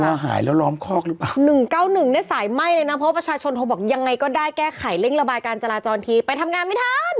ว่าหายแล้วล้อมคอกหรือเปล่า๑๙๑เนี่ยสายไหม้เลยนะเพราะประชาชนโทรบอกยังไงก็ได้แก้ไขเร่งระบายการจราจรทีไปทำงานไม่ทัน